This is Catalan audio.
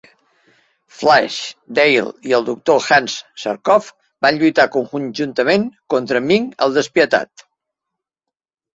Flash, Dale i el Doctor Hans Zarkov van lluitar conjuntament contra Ming el Despietat.